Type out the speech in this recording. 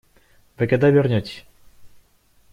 Вы когда вернетесь?